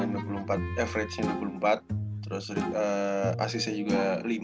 dengan average nya enam puluh empat terus assist nya juga lima